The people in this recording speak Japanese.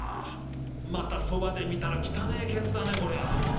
またそばで見たら汚えケツだねこりゃあ。